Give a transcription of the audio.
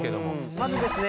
まずですね